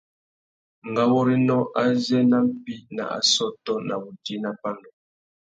Ngáwôrénô azê na mpí nà assôtô na wudjï nà pandú.